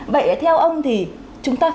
vậy theo ông thì chúng ta